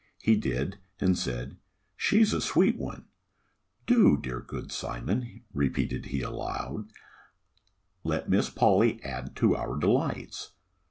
He did, and said, "She's a sweet one: 'Do dear good Sir Simon,'" repeated he aloud, "'_let Miss Polly add to our delights!